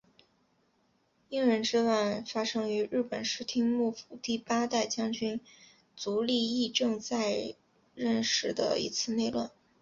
应仁之乱发生于日本室町幕府第八代将军足利义政在任时的一次内乱。